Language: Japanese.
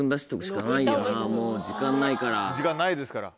時間ないですから。